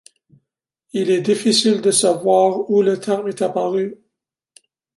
Il est difficile de savoir où le terme est apparu.